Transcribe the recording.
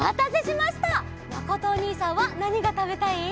まことおにいさんはなにがたべたい？